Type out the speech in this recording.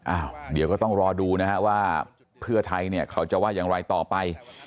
อ้าวเดี๋ยวก็ต้องรอดูนะฮะว่าเพื่อไทยเนี่ยเขาจะว่าอย่างไรต่อไป